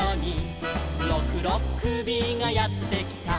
「ろくろっくびがやってきた」